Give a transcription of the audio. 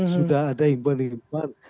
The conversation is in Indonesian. sudah ada imban imban